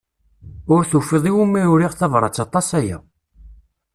Ur tufiḍ iwimi uriɣ tabrat aṭas aya.